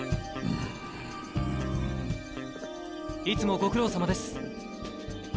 いつもご苦労さまです。